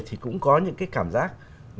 thì cũng có những cái cảm giác